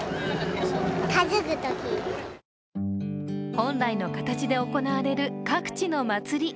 本来の形で行われる各地の祭り。